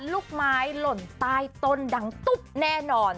ลูกไม้หล่นใต้ต้นดังตุ๊บแน่นอน